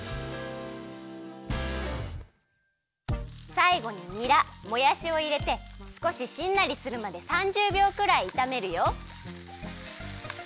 さいごににらもやしをいれてすこししんなりするまで３０びょうくらいいためるよ。